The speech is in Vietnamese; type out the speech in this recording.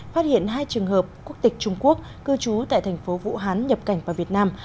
phát hiện hai trường hợp quốc tịch trung quốc cư trú tại thành phố vũ hán nhập cảnh vào việt nam